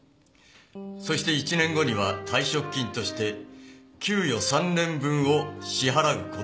「そして１年後には退職金として給与３年分を支払うこととする」